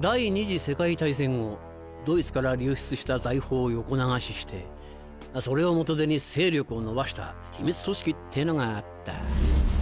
第二次世界大戦後ドイツから流出した財宝を横流ししてそれを元手に勢力を伸ばした秘密組織ってのがあった。